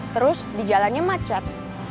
terus dijalannya macet